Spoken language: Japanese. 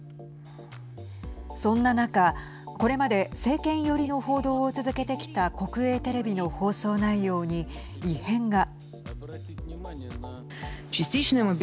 そんな中、これまで政権寄りの報道を続けてきた国営テレビの放送内容に異変が。